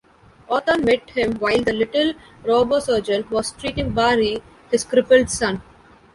Othon met him while the little robosurgeon was treating Bari, his crippled son.